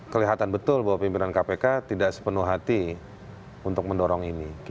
kelihatan betul bahwa pimpinan kpk tidak sepenuh hati untuk mendorong ini